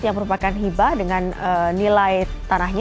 yang merupakan hibah dengan nilai tanahnya